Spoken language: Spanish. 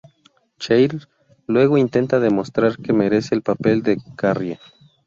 Cheryl luego intenta demostrar que merece el papel de Carrie.